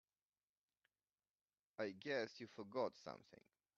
I guess you forgot something.